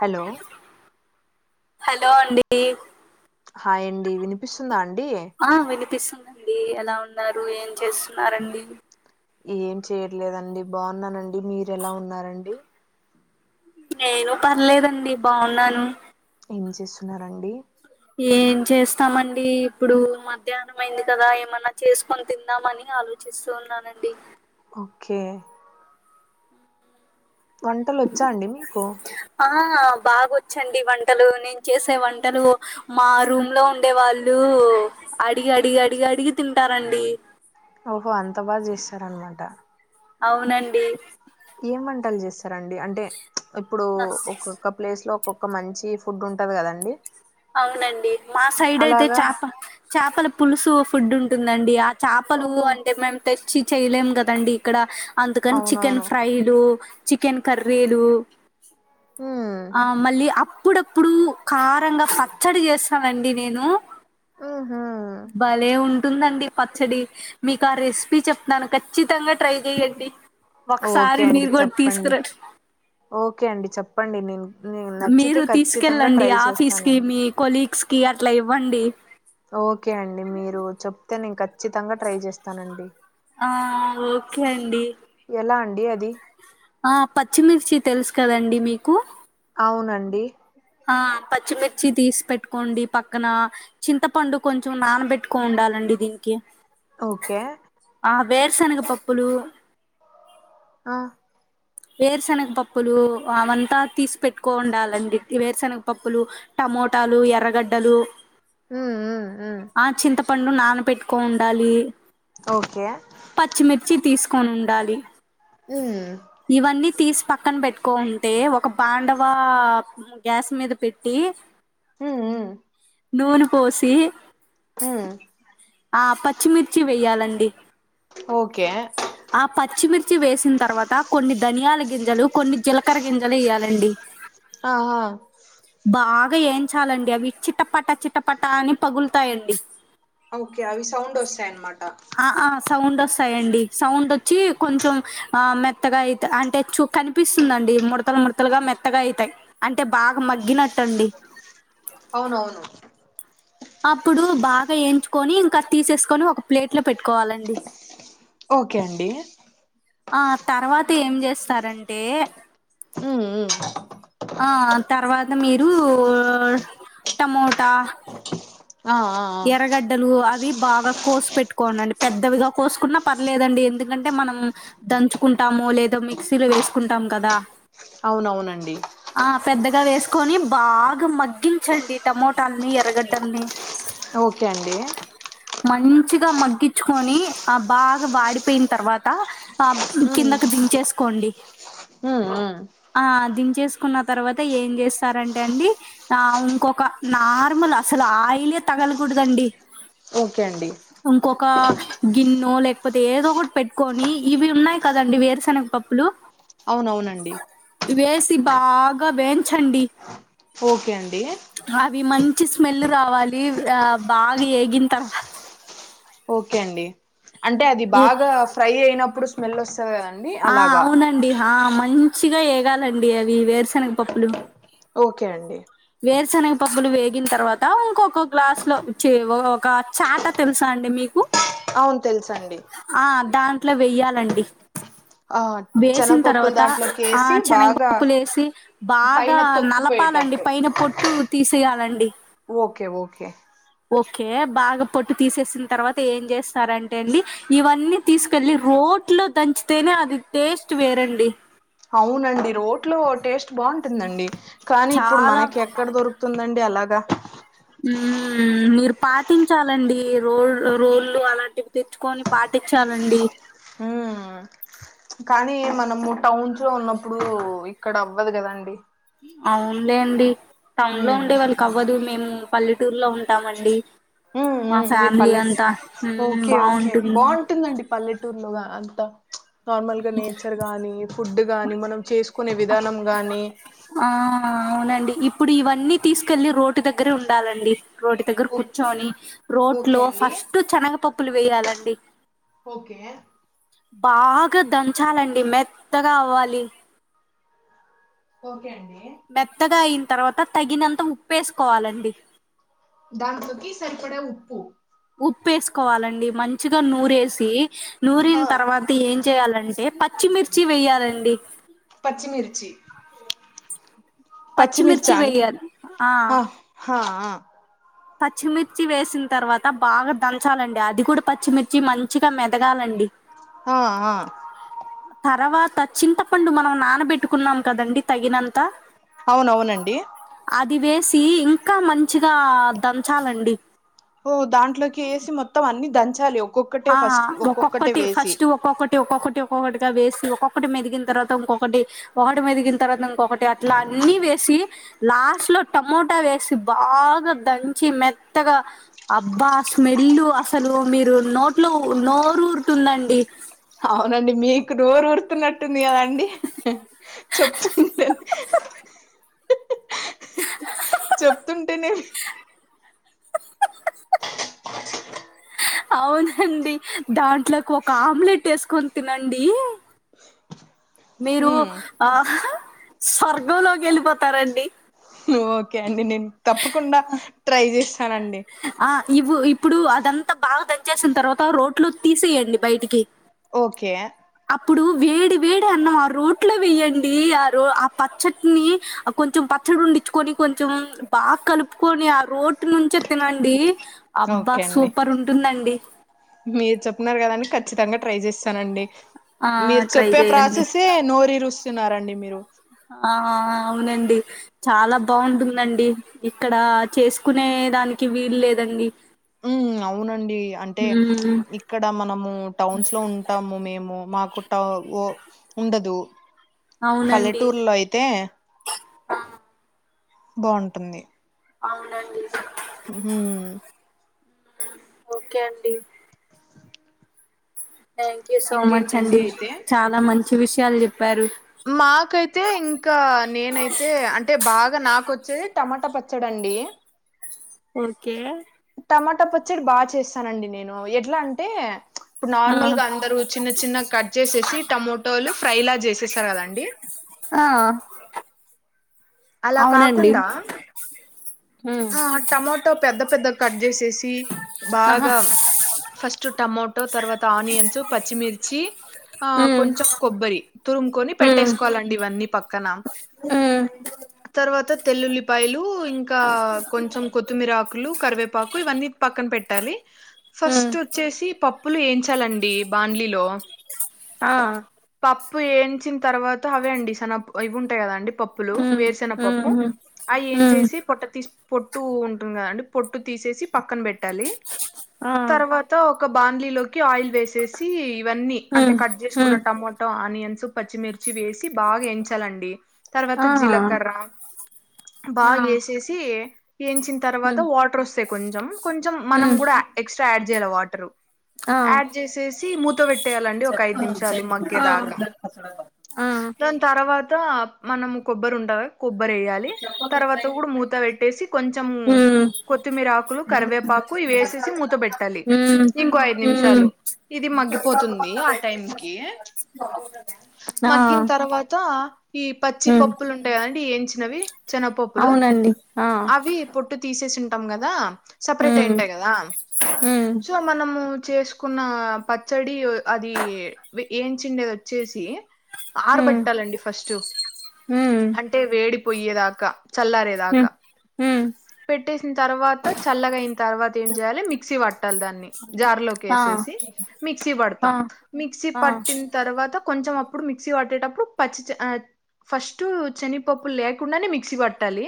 Hello hello అండి hi అండి వినిపిస్తుందా అండి ఆ వినిపిస్తుందండి ఎలా ఉన్నారు ఏం చేస్తున్నారండి ఏం చేయ్యట్లేదండి బాగున్నానండి మీరు ఎలా ఉన్నారండి నేను పర్లేదండి బాగున్నాను ఏం చేస్తున్నారండి ఏం చేస్తామండి ఇప్పుడు మధ్యాహ్నం అయింది కదా ఏమన్నా చేసుకొని తిందామని ఆలోచ చేస్తూ ఉన్నానండి ఓకే వంటలు ఒచ్చా అండి మీకు ఆ బాగొచ్చండి వంటలు నేను చేసే వంటలు మా రూమ్ లో ఉండే వాళ్ళు అడిగి అడిగి అడిగి అడిగి తింటారండి ఓహో అంత బాగా చేస్తారన్నమాట అవునండి ఏం వంటలు చేస్తారండి అంటే ఇప్పుడు ఒక ఒక్క ప్లేస్ లో ఒక్కొక్క మంచి ఫుడ్ ఉంటది కదండి అవునండి మా సైడ్ అయితే అలాగా చాప చాపల పులుసు ఫుడ్ ఉంటుందండి చాపలు ఓహో అంటే మేము తెచ్చి చేయలేం కదండి ఇక్కడ అందుకని చికెన్ అవునవును ఫ్రైలు చికెన్ కర్రీలు హ్మ్ ఆ మళ్ళీ అప్పుడప్పుడు కారంగా పచ్చడి చేస్తానండి నేను ఊహూ భలే ఉంటుందండి పచ్చడి మీకు ఆ రెసిపీ చెప్తాను ఖచ్చితంగా ట్రై చెయండి ఓకే ఒకసారి అండి మీరు కూడా చెప్పండి తీసుకుర ఓకే అండి చెప్పండి నేను నేను నచ్చితే మీరు ఖచ్చితంగా తీసుకెళ్ళండి ట్రై ఆఫీస్ కి చేస్తానండి మీ కొలీగ్స్ కి అట్లా ఇవ్వండి ఓకే అండి మీరు చెప్తే నేను ఖచ్చితంగ ట్రై చేస్తానండి ఆ ఓకే అండి ఎలా అండి అది ఆ పచ్చిమిర్చి తెలుసు కదండి మీకు అవునండి ఆ పచ్చిమిర్చి తీసి పెట్టుకోండి పక్కన చింతపండు కొంచెం నానబెట్టుకో ఉండాలండి దీనికి ఓకే ఆ వేరుశనగ పప్పులు ఆ వేరుశనగపప్పులు అవంతా తీసి పెట్టుకో ఉండాలండి వేరుశెనగపప్పులు టమోటాలు ఎర్రగడ్డలు హ్మ్. హ్మ్. హ్మ్. ఆ చింతపండు నాన పెట్టుకో ఉండాలి ఓకే పచ్చిమిర్చి తీసుకొని ఉండాలి ఉం ఇవన్నీ తీస్ పక్కన పెట్టుకో ఉంటే ఒక బాండవాప్ గ్యాస్ మీద పెట్టీ ఉమ్ ఉమ్ నూన పోసీ హుమ్ ఆ పచ్చిమిర్చి వెయ్యాలండి ఓకే ఆ పచ్చిమిర్చి వేసిన్ తర్వాత కొన్ని ధనియాల గింజలు కొన్ని జీలకర గింజలు ఎ య్యాలండి ఆహా బాగా ఏంచాలండి అవి చిట్టపట్టా చిట్టపట్టా అని పగుల్తాయండి ఓక్కే అవి సౌండొస్తాయ్ అన్మాట ఆ సౌండ్ వస్తాయండి సౌండ్ వచ్చీ కొంచెం మెత్తగా అయ్ అంటే చూ కనిపిస్తుందండి ముడతల్ ముడతలుగా మెత్తగా ఐతాయ్ అంటే బాగా మగ్గినట్టండి ఔనవును అప్పుడూ బాగా ఏంచుకోనీ ఇంకా తీసేస్కొని ఒక ప్లేట్ లో పెట్టుకోవాలండి ఓకే అండి ఆ తర్వాత ఏం జేస్తరంటే హూమ్ ఆ తర్వాత మీరూ టమోటా ఆ ఆ ఆ! ఎర్రగడ్డలు అవి బాగా కోసి పెట్కోఉండండి పెద్దవిగా కోసుకున్నా పర్లేదండి ఎందుకంటే మనం దంచుకుంటామో లేదా మిక్సీలో వేస్కుంటాం కదా ఔనవునండి ఆ పెద్దగా వేస్కొని బాగా మగ్గించండి టమోటాల్ని ఎర్రగడ్డల్ని ఓక్కే అండీ మంచిగా మగ్గిచ్కోనీ ఆ బాగా వాడిపోయిం తర్వాతా ఆబ్ హ్మ్. కిందకి దించేస్కోండి హ్మ్. హ్మ్. ఆ దించేస్కున్న తర్వాత ఏం జేస్తారంటే అండి ఆ ఇంకొక నార్మల్ అసలు ఆయిలే తగలకూడదండి ఓక్కే అండి ఇంకొకా గిన్నో లేకపోతే ఏదో ఒకట్ పెట్కొనీ ఇవీ ఉన్నాయ్ కదండి వేరుశెనగ పప్పులూ ఔనవునండి ఇవేసి బాగా వేంఛమ్ డి ఓక్కే అండి అవి మంచి స్మెల్లు రావాలీ ఆ బాగ్ ఏగిన్ తర్వాత ఓకే అండి అంటే అది ఏ బాగా ఫ్రై అయినప్పుడు స్మెల్ వస్తది గదం ఆ ఔనండి ఆ మంచిగా ఏగాలండి అవీ వేరుశెనగపప్పులు ఓకే అండి వేరుశనగ పప్పులు వేగిం తర్వాతా ఇంకొక గ్లాస్ లోచే ఒక చాట తెలుసా అండి మీకు ఔన్ తెలుసండి ఆ దాంట్లో వెయ్యాలండి ఆ వేసిన్ శనగపప్పులు తర్వాత దాంట్లోకి ఆ వేసి చనగ బాగా పప్పులు వేసి పైన బాగా నలపాలండి తొక్కుపోయేటట్టు పై పొట్టు తీసేయాలండి ఓకే ఓకే ఓకే బాగా పొట్టు తీసేసిన తర్వాత ఏం చేస్తారంటే అండి ఇవన్నీ తీసుకెళ్ళి రోట్లో దంచితేనే అది టేస్ట్ వేరండి. అవునండి రోట్లో టేస్ట్ బావుంటుందండి కానీ ఇప్పుడు చాలా మనకి ఎక్కడ దొరుకు తుందండి అలాగా మ్మ్ మీరు పాటించాలండి రోల్ రోళ్లు అలాంటివి తెచ్చుకొని పాటించాలండి. ఉమ్ కానీ మనము టౌన్స్ లో ఉన్నప్పుడు ఇక్కడ అవ్వదు కదండి. అవునులే అండి టౌన్ లో ఉండే ఉమ్ వాళ్ళకి కవ్వదు మేము పల్లెటూరులో ఉంటామండి. ఉమ్ మా ఉమ్ మీరు ఫ్యామిలీ పల్లెటూ అంతా ఉమ్మ్ బావుంటుంది. పుట్టిందండి పల్లెటూరులో అ అంతా నార్మల్ గా నేచర్ గానీ, ఫుడ్ గాని, మనం చేసుకునే విధానం గానీ ఆ అవునండి ఇప్పుడు ఇవన్నీ తీసుకెళ్లి రోడ్ దగ్గరే ఉండాలండి. రోటీ దగ్గర ఓ కూర్చొని ఓకే రోట్లో అండి ఫస్ట్ శనగ పప్పులు వేయాలండి. ఓకే బాగా దంచాలండి మెత్తగా అవ్వాలి. ఓకే అండి మెత్తగా అయిన తర్వాత తగినంత ఉప్పేసుకోవాలండి. దాంట్లోకి సరిపడే ఉప్పు ఉప్పుసుకోవాలండి మంచిగా నూరేసి నూరిన ఆ తర్వా తి ఏం చేయ్యాలంటే పచ్చిమిర్చి వేయ్యాలండి. పచ్చిమిర్చి పచ్చిమిర్చి పచ్చిమిర్చా అండి వేయాలి ఆ హఆ పచ్చిమిర్చి వేసిన తర్వాత బాగా దంచాలండి అది కూడా పచ్చిమిర్చి మంచిగా మెదగాలండి. ఆ ఆ తర్వాత చింతపండు మనం నానబెట్టుకున్నాం కదండి తగినంత అవునవునండి అది వేసి ఇంకా మంచిగా దంచాలండి. ఓ దాంట్లోకి వేసి మొత్తం అన్ని దంచాలి ఒక్కొక్క ఆ ఒక్కొక్కటి ఫస్ట్ ఒక్కొక్క టి ఒక్కొక్కటిగా వేసి ఒక్కొక్కటి మెదిగిన తర్వాత ఇంకొకటి ఒకటి మేదిగిన తర్వాత ఇంకొకటి అట్లా అన్ని వేసి లాస్ట్ లో టమోటా వేసి బాగా దంచి మెత్తగా అబ్బా స్మెల్ అసలు మీరు నోట్లో నోరురుతుందండి. అవునండి మీకు నోరురు తున్నట్టుంది కదాండి చెప్తుంటే హ్హ్హ్హ్ చెప్తుంటేనే అవునండి దాంట్లోకి ఒక ఆమ్లెట్ వేసుకొని తినండి. మీరు హ్మ్ ఆహ్ స్వర్గంలోకి వెళ్ళిపోతారండి. ఓకే అండి నేను తప్పకుండా ట్రై చేస్తానండి. ఆ ఇవ్వు ఇప్పుడు అదంతా బాగా దంచేసిన తర్వాత రోట్లో తీసేయండి బయటికి ఓకే అప్పుడు వేడి వేడి అన్నం ఆ రోట్లో వేయ్యడి ఆ రో ఆ పచ్చట్ని కొంచెం పచ్చడి ఉండించుకొని కొంచెం బాగా కలుపుకొని ఆ రోట్ నుంచే తినం డి అబ్బా ఓకే అండి సూపర్ ఉంటుందండి మీరు చెప్న్నారు కదాండి ఖచ్చితంగా ట్రై చేస్తానండి ఆ మీరు ట్రై చెప్పే చేయండి ప్రాసెస్సే నోరురిస్తున్నారండి మీరు ఆ అవునండి చాలా బాగుంటుందండి ఇక్కడ చేసుకునే దానికి వీలు లేదండి ఉమ్ అవునండి అంటే ఉమ్ ఇక్కడ మనము టౌన్స్లో ఉ ఉంటాము మేము మా కుట్ట ఓ ఉండదు అవునండి పల్లెటూరులో అయితే బాగుంటుంది అవునండి ఉమ్ ఓకే అండి థ్యాంక్యూ సో ఇంకేంటండి మచండి అయితే చాలా మంచి విషయాలు చెప్పారు మాకైతే ఇంకా నేనైతే అంటే బాగా నాకు వచ్చేది టమాటా పచ్చడ అండీ ఓకే టమాటా పచ్చడి బాగా చేస్తానండి నేను ఎట్లా అంటే ఇప్పుడు ఆ నార్మల్గా అందరు చిన్న చిన్నగా కట్ చేసేసి టమాటోలు ఫ్రై లా చేసేసారు కదండి ఆ అలా అవునండి కాకుండా ఉమ్ ఆ టమోటో పెద్ద పెద్దగా కట్ చేసేసి ఆహా బాగా ఫస్ట్ టమోటో తర్వాత ఆనియన్స్ పచ్చిమిర్చి ఆ ఉమ్ కొంచెం కొబ్బరి తురుముకొని ఉమ్ పెట్టేసుకోవాలండి ఇవన్నీ పక్కన ఉమ్ తర్వాత తెల్లుల్లిపాయలు ఇంకా కొంచెం కొత్తిమీర ఆకులు కరివేపాకు ఇవన్నీ పక్కన పెట్టాలి ఉమ్ ఫస్ట్ వచ్చేసి పప్పులు ఎంచాలండి బాండ్లీలో ఆ పప్పు ఏంచిన తర్వాత అవే అండిసన ఇవి ఉంటాయి కద అండి పప్పు పప్పులు ఉమ్ ఉమ్ వేరుశనఖపప్పు అ ఏం ఉమ్ చేసి పొట్ట తీసి పొట్టు ఉంటుంది కదండి పొట్టు తీసేసి పక్కన పెట్టాలి ఆ తర్వాత ఒక బాన్లీలోకి ఆయిల్ వేసేసి ఇవన్నీ అంటే ఉమ్ కట్ ఉమ్ చేసుకున్నట్టు ఆనియన్స్ పచ్చిమిర్చి వేసి బాగా ఎంచాలండి తర్వాత ఆ జీలకర్ర ఆ బాగేసేసి వంచిన తర్వాత ఉమ్ వాటర్ వస్తాయి కొంచెం కొంచెం మనం ఉమ్ కూడా ఎక్స్ట్రా యాడ్ చేయ్యాల వాటర్ ఆ యాడ్ చేసేసి మూత పెట్టేయాలండి ఒక ఐదు నిమిషం ఆ ఆ దాని తర్వాత మనము కొబ్బరు ఉంట కొబ్బరి వేయాలి తర్వాత కూడా మూత పెట్టేసి కొంచెం ఉమ్ కొత్తిమీర ఆకులు కరివేపాకు ఇవేసేసి మూత పెట్టాలి ఉమ్ ఇంకో ఐదు నిమిషాలు ఉమ్ ఇది మగ్గిపోతుంది ఆ టైం కి ఆ మగ్గిన తర్వాత ఈ పచ్చి ఉమ్ పప్పు లు ఉంటాయి కదండి ఏంచినవి శనగపప్పులు అవునండి ఆ అవి పొట్టు తీసేసి ఉంటాం కదా సపరేట్ ఉమ్ ఏంటాయి కదా ఉమ్ సో మనం చేసుకున్న పచ్చడి అది వ్ ఏంచిండేది వచ్చేసి హ్మ్ ఆరబెట్టాలండి ఫస్ట్ హ్మ్ అం టే వేడిపోయ్యేదాకా హ్మ్ చల్లరేదాకా హ్మ్ పెట్టేసిన తర్వాత చల్లగా అయిన తర్వాత ఏం చేయాలి మిక్సీ పట్టాలి దాన్ని జార్ ఆ లోకేసేసి మిక్సీ ఆ పడుతాం మిక్సీ ఆ పట్టిన తర్వాత కొంచెం అప్పుడు మిక్సీ పట్టేటప్పుడు పచ్చి ఆ ఫస్ట్ శనిపప్పులు లేకుండానే మిక్సీ పట్టాలి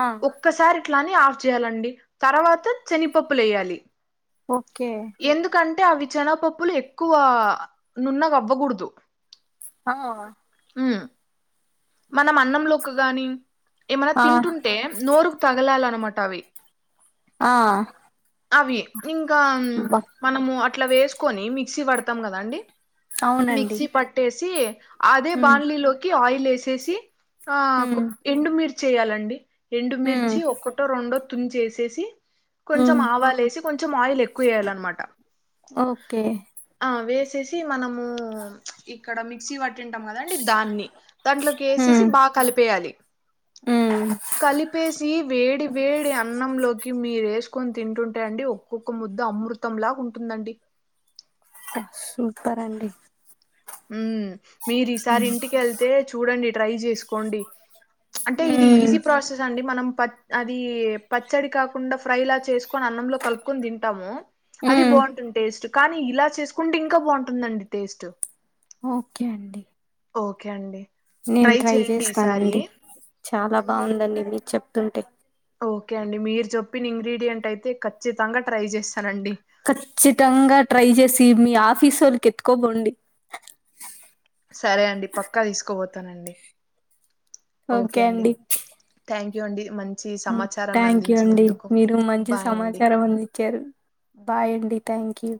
ఆ ఒక్కసారి ఇట్లాని ఆఫ్ చేయాలండి తర్వాత శనిపప్పుల వేయాలి ఓకే ఎందుకంటే అవి శేనపప్పులు ఎక్కువ నున్నగా అవ్వకూడదు ఆ మనం అన్నంలోకి గాని ఏమైన ఆ తింటుంట్ టే నోరుకు తగలాలనమాట అవి ఆ అవి ఇంకా అబ్బా మనము అట్లా వేసుకొని మిక్సీ పడతాం కదా అండి అవునండి మిక్సీ పట్టేసి అదే హ్మ్ బాన్లీలోకి ఆయిల్ వేసేసి ఆ హ్మ్ ఎండు మీర్చేయాలండి రెండు హ్మ్ మిర్చి ఒక్కటో రెండో తుంచేసేసి కొంచెం హ్మ్ ఆవాలు వేసి కొంచెం ఆయిల్ ఎక్కువ వేయాలన్నమాట ఓకే ఆ వేసేసి మనము ఇక్కడ మిక్సీ పట్టింటాం కదండి దాన్ని దాంట్లోకి ఏసేసి హ్మ్ బాగా కలిపేయాలి హ్మ్ కలిపేసి వేడి వేడి అన్నంలో కి మీరేసుకొని తింటుంటే అండి ఒక్కొక్క ముద్ద అమృతంలాగా ఉంటుందండి సూపర్ అండి మ్ మీరు ఈసారి ఇంటికేళ్తే చూడండి ట్రై చేసుకోండి అంటే ఇది హ్మ్ ఈజీ ప్రాసెస్ అండి మనం పచ్ అది పచ్చడి కాకుండా ఫ్రై లా చేస్ కొని అన్నంలో కలుపుకొని తింటాము అది హ్మ్ బాగుంటుంది టేస్ట్ కానీ ఇలా చేసుకుంటే ఇంకా బాగుంటుందండి టేస్ట్ ఓకే అండి ఓకే అండి నేను ట్రై చేయండి ఈసారి చేస్తానండి చాలా బాగుందండి మీరు చెప్తుంటే ఓకే అండి మీరు చెప్పిన ఇంగ్రీడియంట్ అయితే ఖచ్చితంగా ట్రై చేస్తానండి ఖచ్చితంగా ట్రై చేసి మీ ఆఫీస్ వోళ్ళకి ఎత్కోబోండి సరే అండి పక్కా తీసుకబోతానండి ఓకే అండి థ్యాంక్ యూ అండి మం మ్ థ్యాంక్ యూ అండి మీరు మంచి బాయ్ అండి సమాచారం అందించారు బాయ్ అండి థ్యాంక్ యూ